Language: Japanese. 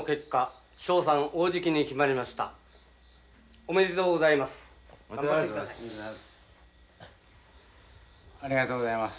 おめでとうございます。